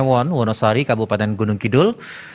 wono sari kabupaten gunung kidul